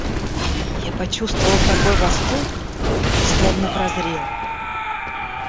Я почувствовал такой восторг... словно прозрел!